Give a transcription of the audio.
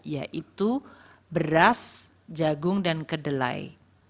yaitu beras jagung dan kedelai